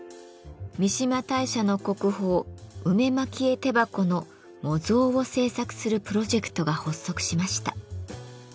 三嶋大社の国宝「梅蒔絵手箱」の模造を制作するプロジェクトが発足しました。